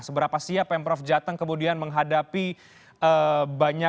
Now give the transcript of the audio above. seberapa siap m prof jateng kemudian menghadapi banyak